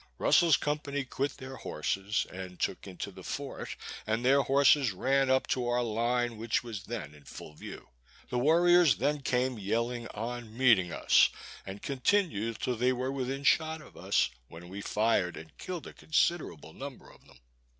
Russel's company quit their horses, and took into the fort, and their horses ran up to our line, which was then in full view. The warriors then came yelling on, meeting us, and continued till they were within shot of us, when we fired and killed a considerable number of them.